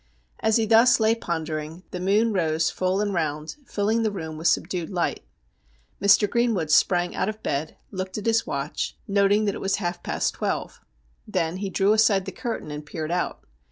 As he thus lay pondering, the moon rose full and round, filling the room with subdued light. Mr. Greenwood sprang out of bed, looked at his watch, noting that it was half past twelve. Then he drew aside the curtain and peered out.